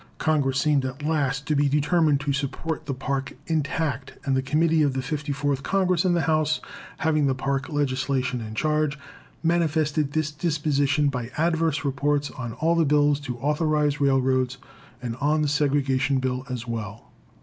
Congress seemed at last to be determined to support the Park intact, and the Committee of the Fifty fourth Congress in the House having the Park legislation in charge manifested this disposition by adverse reports on all the bills to authorize railroads and on the segregation bill as well.